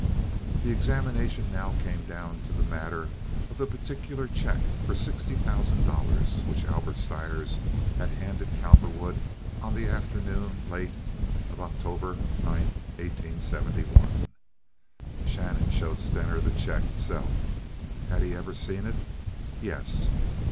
The examination now came down to the matter of the particular check for sixty thousand dollars which Albert Stires had handed Cowperwood on the afternoon—late—of October 9, 1871. Shannon showed Stener the check itself. Had he ever seen it? Yes.